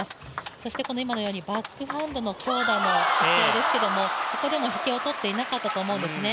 そして今のようにバックハンドの強打の打ち合いですけどここでも引けを取っていなかったと思うんですね。